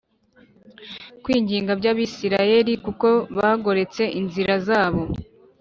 kwinginga by Abisirayeli kuko bagoretse inzira zabo